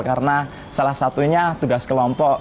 karena salah satunya tugas kelompok